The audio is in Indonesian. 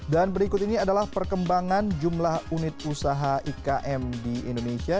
dan berikut ini adalah perkembangan jumlah unit usaha ikm di indonesia